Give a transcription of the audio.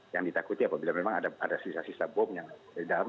yang ditakuti apabila memang ada sisa sisa bom yang di dalam